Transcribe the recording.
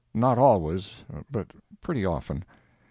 Not always, but pretty often.